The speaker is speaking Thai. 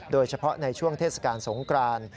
โดยเฉพาะในช่วงเทศกาลสงคราน